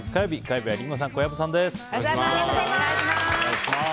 本日、火曜日はリンゴさん、小籔さんです。